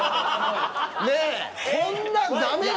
ねぇこんなんダメよ。